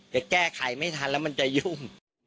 จะแก้ไขไม่ทันแล้วมันจะยุ่ง